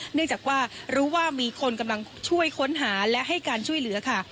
เนื่องจากว่ารู้ว่ามีคนกำลังช่วยค้นหาและให้การช่วยเหลือค่ะ